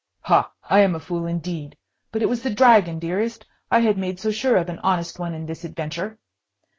"Ha, I am a fool, indeed! But it was the Dragon, dearest. I had made so sure of an honest one in this adventure."